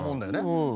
うん。